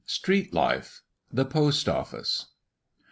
Street Life. The Post office.